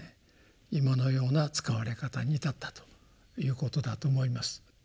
今のような使われ方に至ったということだと思います。